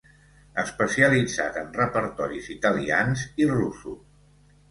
Especialitzat en repertoris italians i russos.